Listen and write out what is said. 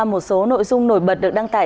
một số nội dung nổi bật được đăng tải